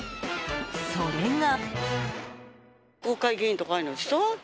それが。